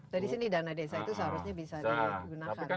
jadi disini dana desa itu seharusnya bisa digunakan kan